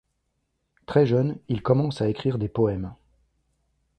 Très jeune, il commence à écrire des poèmes.